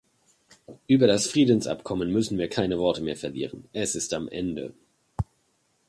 Über das Friedensabkommen müssen wir keine Worte mehr verlieren, es ist am Ende.